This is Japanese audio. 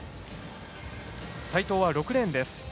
齋藤は６レーンです。